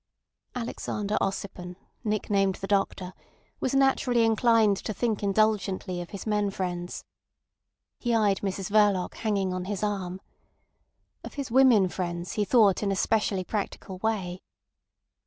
Alexander Ossipon, nicknamed the Doctor, was naturally inclined to think indulgently of his men friends. He eyed Mrs Verloc hanging on his arm. Of his women friends he thought in a specially practical way.